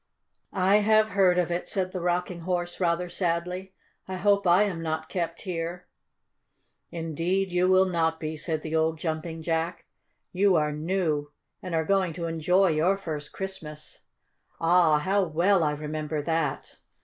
"I have heard of it," said the Rocking Horse rather sadly. "I hope I am not kept here." "Indeed you will not be," said the old Jumping Jack. "You are new, and are going to enjoy your first Christmas! Ah, how well I remember that!